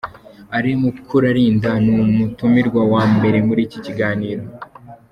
Alain Mukuralinda ni umutumirwa wa mbere muri iki kiganiro.